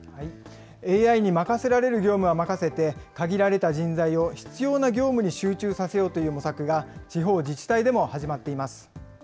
ＡＩに任せられる業務は任せて、限られた人材を必要な業務に集中させようという模索が、地方自治体でも始まっています。